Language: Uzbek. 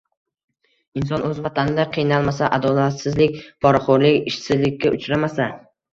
Inson o‘z vatanida qiynalmasa, adolatsizlik, poraxo‘rlik, ishsizlikka uchramasa